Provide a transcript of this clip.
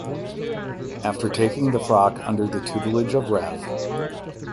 After taking the frock under the tutelage of Rev.